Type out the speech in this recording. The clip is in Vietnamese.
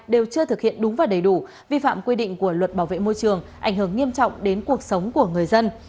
đều chưa thực hiện đúng và đầy đủ vi phạm quy định của luật bảo vệ môi trường ảnh hưởng nghiêm trọng đến cuộc sống của người dân